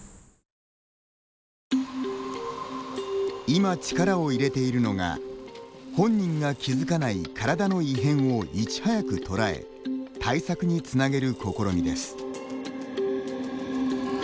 今、力を入れているのが本人が気付かない体の異変をいち早く捉え対策につなげる試みです。